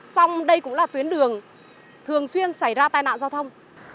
xong đây cũng là tuyến đường thường xuyên xảy ra tai nạn giao thông